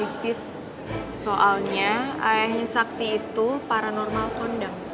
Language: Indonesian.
soalnya ayahnya sakti itu paranormal kondang